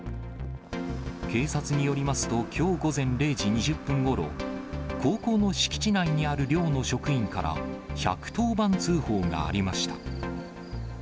警察によりますと、きょう午前０時２０分ごろ、高校の敷地内にある寮の職員から、１１０番通報がありました。